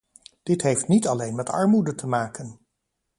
Dit heeft niet alleen met armoede te maken.